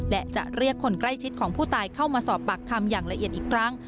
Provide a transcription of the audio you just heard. และจะเรียกคนใกล้ชิดของผู้ตายเข้ามาสอบปากคำอย่างละเอียดอีกครั้ง